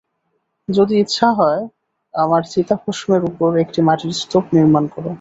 যদি ইচ্ছা হয়, আমার চিতাভস্মের উপর একটি মাটির স্তূপ নির্মাণ কর।